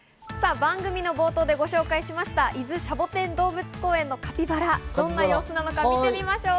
番組の冒頭でご紹介しました、伊豆シャボテン動物公園のカピバラ、どんな様子なのか呼んでみましょう。